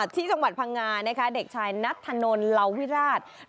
ที่จังหวัดพังงานะคะเด็กชายนัทธนนท์เหล่าวิราช